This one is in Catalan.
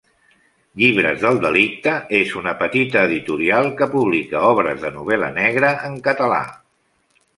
Llibres del Delicte és una petita editorial que publica obres de novel·la negra en català.